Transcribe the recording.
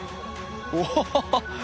お。